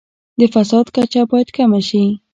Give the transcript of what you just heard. د فساد کچه باید کمه شي.